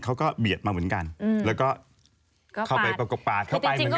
เขาก็เบียดมาเหมือนกันแล้วก็เข้าไปประกบปาดเข้าไปเหมือนกัน